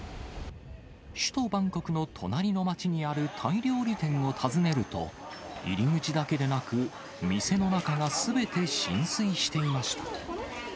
首都バンコクの隣の街にあるタイ料理店を訪ねると、入り口だけでなく、店の中がすべて浸水していました。